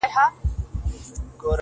معشوقې په بې صبري کي کله چا میندلي دینه٫